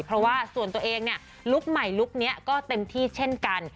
เพราะว่าส่วนตัวเองเนี่ยลุคใหม่ลุคนี้ก็เต็มที่เช่นกัน